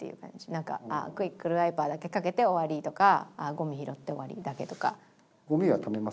なんかクイックルワイパーだけかけて終わりとかゴミ拾って終わりだけとか。